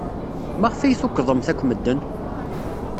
Maɣef ay tukḍemt akk medden?